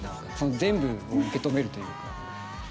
全部を受け止めるというか。